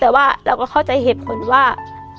แต่ว่าเราก็เข้าใจเหตุผลว่า